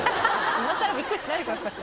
いまさらびっくりしないでください。